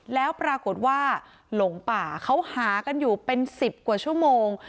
แล้วปรากฏว่าหลงป่าเขาหากันอยู่เป็น๑๐กว่าชั่วโมง